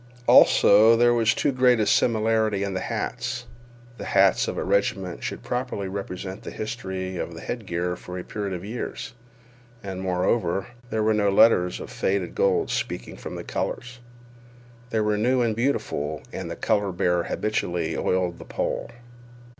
Also, there was too great a similarity in the hats. The hats of a regiment should properly represent the history of headgear for a period of years. And, moreover, there were no letters of faded gold speaking from the colors. They were new and beautiful, and the color bearer habitually oiled the pole.